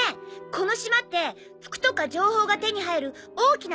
この島って服とか情報が手に入る大きな街ってありますか？